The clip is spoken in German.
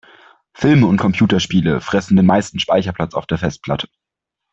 Filme und Computerspiele fressen den meisten Speicherplatz auf der Festplatte.